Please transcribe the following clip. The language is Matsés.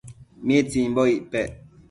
¿mitsimbo icpec